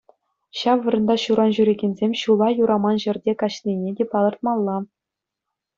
Ҫав вырӑнта ҫуран ҫӳрекенсем ҫула юраман ҫӗрте каҫнине те палӑртмалла.